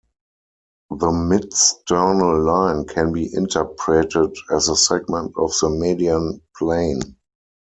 The midsternal line can be interpreted as a segment of the median plane.